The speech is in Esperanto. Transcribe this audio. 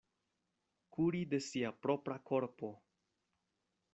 Kuri de sia propra korpo.